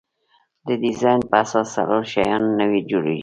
د ډیزاین په اساس څلور شیان نوي جوړیږي.